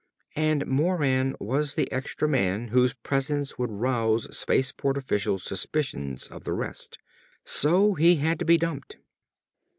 And Moran was the extra man whose presence would rouse space port officials' suspicion of the rest. So he had to be dumped.